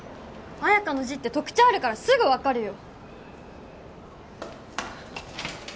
彩花の字って特徴あるからすぐ分かるよ